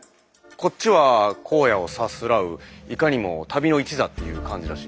こっちは荒野をさすらういかにも旅の一座っていう感じだし。